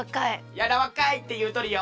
「やらわかい」っていうとるよ！